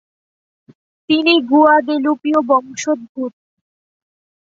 তিনি গুয়াদেলুপীয় বংশোদ্ভূত।